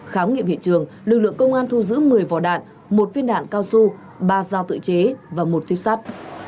khám nghiệm hiện trường lực lượng công an thu giữ một mươi vỏ đạn một viên đạn cao su ba dao tự chế và một tuyếp sắt